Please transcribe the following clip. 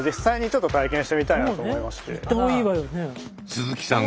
鈴木さん